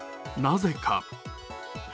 なぜか。